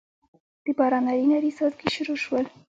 دباران نري نري څاڅکي شورو شول